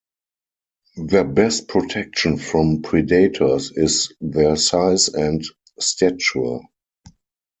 Their best protection from predators is their size and stature.